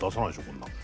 こんなの。